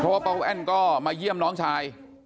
เพราะว่าป้าแอ้นก็มาเยี่ยมน้องชาย